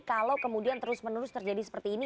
kalau kemudian terus menerus terjadi seperti ini